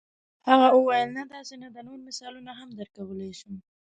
هغه وویل نه داسې نه ده نور مثالونه هم درکولای شم.